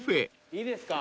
いいですか？